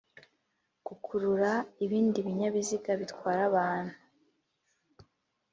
gukurura ibindi binyabiziga bitwara abantu